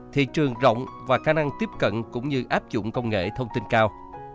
thị trường rộng và khả năng tiếp cận cũng như áp dụng công nghệ thông tin cao